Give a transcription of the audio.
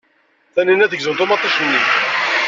Tanina tegzem ṭumaṭic-nni.